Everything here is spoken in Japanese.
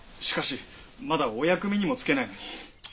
しかしまだお役目にもつけないのに。